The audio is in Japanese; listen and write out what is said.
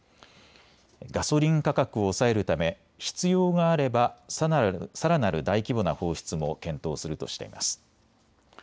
ガソリン価格を抑えるため必要があればさらなる大規模な放出も検討するとしています。